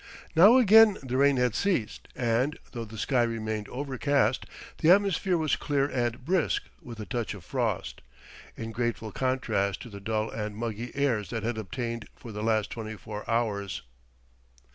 Now again the rain had ceased and, though the sky remained overcast, the atmosphere was clear and brisk with a touch of frost, in grateful contrast to the dull and muggy airs that had obtained for the last twenty four hours.